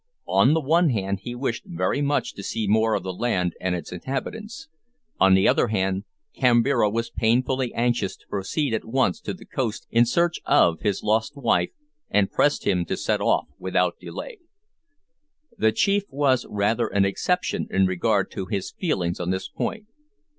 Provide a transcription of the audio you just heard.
On the one hand he wished very much to see more of the land and its inhabitants; on the other hand, Kambira was painfully anxious to proceed at once to the coast in search, of his lost wife, and pressed him to set off without delay. The chief was rather an exception in regard to his feelings on this point.